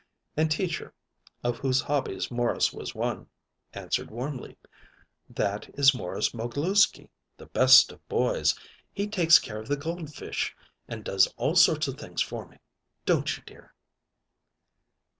And Teacher, of whose hobbies Morris was one, answered warmly: "That is Morris Mogilewsky, the best of boys. He takes care of the gold fish, and does all sorts of things for me. Don't you, dear?"